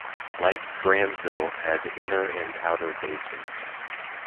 Like Granville had inner and outer basins.